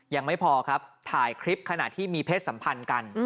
ยังไม่พอครับถ่ายคลิปขณะที่มีเพศสัมพันธ์กัน